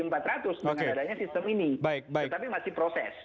dengan adanya sistem ini tetapi masih proses